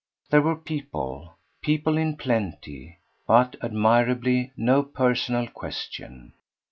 There were people, people in plenty, but, admirably, no personal question.